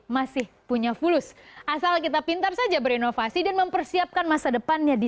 masih punya fulus asal kita pintar saja berinovasi dan mempersiapkan masa depannya di